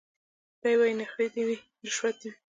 دی وايي نخرې دي وي رشوت دي وي